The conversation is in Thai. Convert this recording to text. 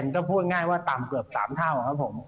ก็พูดง่ายว่าต่ำเกือบ๓เท่าครับผม